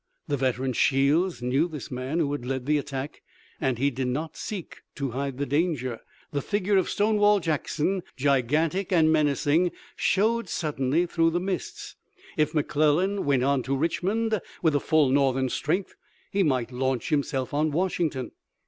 The veteran Shields knew this man who had led the attack, and he did not seek to hide the danger. The figure of Stonewall Jackson, gigantic and menacing, showed suddenly through the mists. If McClellan went on to Richmond with the full Northern strength he might launch himself on Washington.